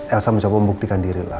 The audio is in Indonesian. elsa mencoba membuktikan diri lah